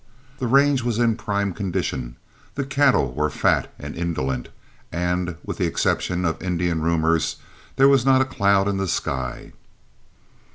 The range was in prime condition, the cattle were fat and indolent, and with the exception of Indian rumors there was not a cloud in the sky.